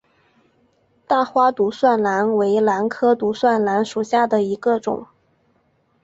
大花独蒜兰为兰科独蒜兰属下的一个种。